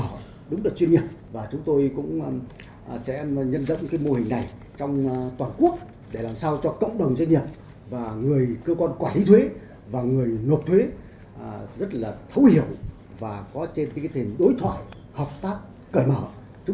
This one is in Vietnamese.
chúng ta tạo điều kiện cho nhau cùng hoàn thành nhiệm vụ